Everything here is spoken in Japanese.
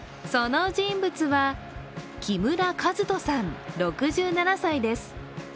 その人物は、木村和人さん６７歳です。